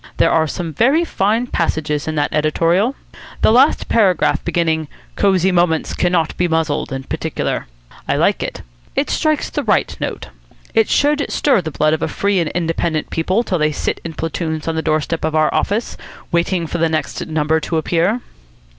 There are some very fine passages in that editorial. The last paragraph, beginning 'Cosy Moments cannot be muzzled,' in particular. I like it. It strikes the right note. It should stir the blood of a free and independent people till they sit in platoons on the doorstep of our office, waiting for the next number to appear."